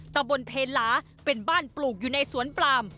ตะบนเพลาเป็นบ้านปลูกอยู่ในสวนปลาม